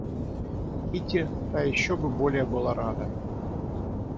Кити, та еще бы более была рада.